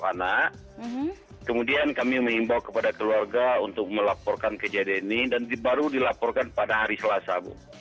karena kemudian kami mengimbau kepada keluarga untuk melaporkan kejadian ini dan baru dilaporkan pada hari selasa bu